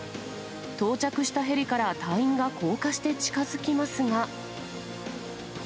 到着したヘリから隊員が降下して近づきますが。